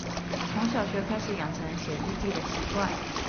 從小學開始養成寫日記的習慣